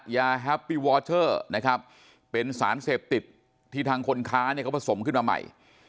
แฮปปี้วอเชอร์นะครับเป็นสารเสพติดที่ทางคนค้าเนี่ยเขาผสมขึ้นมาใหม่